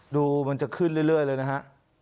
ดูมันจะขึ้นเรื่อยเลยนะฮะ